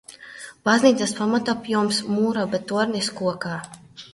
Baznīcas pamatapjoms – mūra, bet tornis – koka.